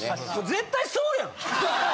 絶対そうやん。